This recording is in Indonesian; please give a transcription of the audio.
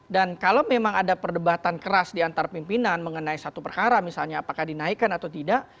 dan kalau memang ada perdebatan keras di antar pimpinan mengenai satu perkara misalnya apakah dinaikkan atau tidak